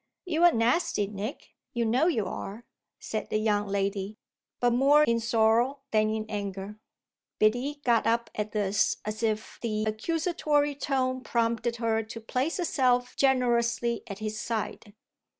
"You are nasty, Nick. You know you are," said the young lady, but more in sorrow than in anger. Biddy got up at this, as if the accusatory tone prompted her to place herself generously at his side.